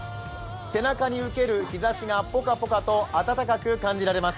背中に受ける日ざしがポカポカと温かく感じられます。